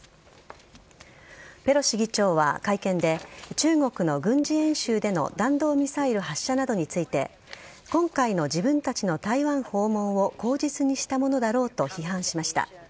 ペロシ議長は会見で中国の軍事演習での弾道ミサイル発射などについて今回の自分たちの台湾訪問を口実にしたものだろうと批判しました。